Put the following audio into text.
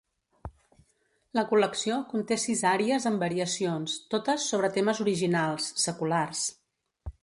La col·lecció conté sis àries amb variacions, totes sobre temes originals, seculars.